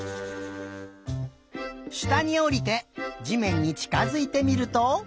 したにおりてじめんにちかづいてみると。